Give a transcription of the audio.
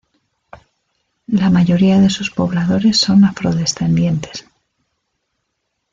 La mayoría de sus pobladores son afrodescendientes.